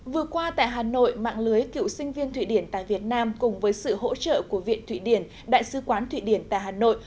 vừa qua tại hà nội mạng lưới cựu sinh viên thụy điển tại việt nam cùng với sự hỗ trợ của viện thụy điển đại sứ quán thụy điển tại hà nội